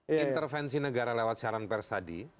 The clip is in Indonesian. intervensi negara lewat siaran pers tadi